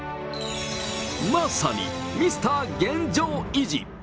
まさにミスター現状維持。